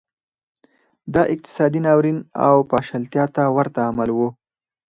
دا اقتصادي ناورین او پاشلتیا ته ورته عمل و